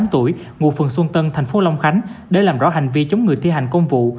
ba mươi tám tuổi ngụ phường xuân tân tp long khánh để làm rõ hành vi chống người thi hành công vụ